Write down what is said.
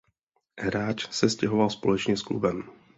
Hráč se stěhoval společně s klubem.